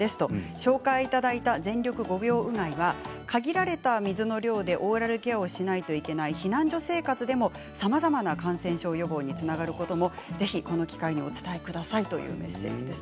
紹介いただいた全力５秒うがいは限られた水の量でオーラルケアをしなければいけない避難所生活でもさまざまな感染症予防につながることもぜひ、この機会にお伝えくださいというメッセージです。